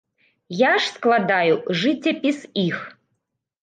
Я ж складаю жыццяпіс іх.